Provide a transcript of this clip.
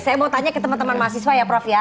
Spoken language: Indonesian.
saya mau tanya ke teman teman mahasiswa ya prof ya